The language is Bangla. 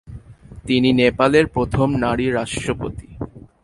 তিনি নেপালের প্রথম নারী রাষ্ট্রপতি।